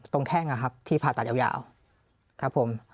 แข้งนะครับที่ผ่าตัดยาวครับผม